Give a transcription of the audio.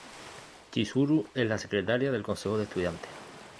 Chizuru es la Secretaria del Consejo de Estudiantes.